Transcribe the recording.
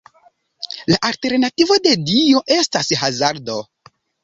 La alternativo de dio estas hazardo.